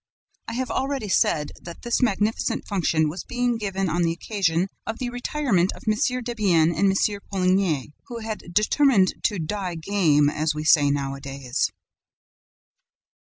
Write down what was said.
I have already said that this magnificent function was being given on the occasion of the retirement of M. Debienne and M. Poligny, who had determined to "die game," as we say nowadays.